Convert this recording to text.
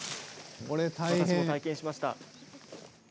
私も体験しました。